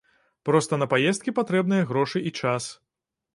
Проста на паездкі патрэбныя грошы і час.